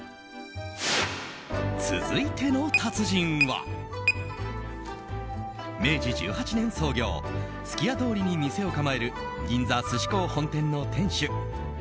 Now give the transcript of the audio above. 続いての達人は明治１８年創業数寄屋通りに店を構える銀座寿司幸本店の店主